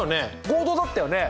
合同だったよね？